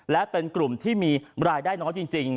และเป็นกลุ่มที่มีรายได้น้อยจริง